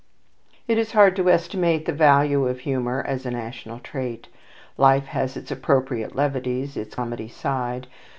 It is hard to estimate the value of humour as a national trait. Life has its appropriate levities, its comedy side.